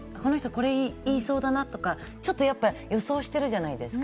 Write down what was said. これ言いそうだなとか、ちょっと予想してるじゃないですか。